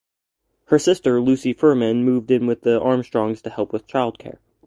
Her sister Lucile Furman moved in with the Armstrongs to help with childcare.